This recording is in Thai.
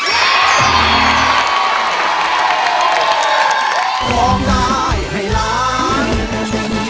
หวังได้ให้ร้าน